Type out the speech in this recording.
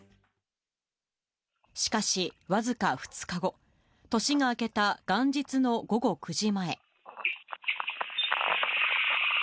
しかし、僅か２日後、年が明けた元日の午後９時前。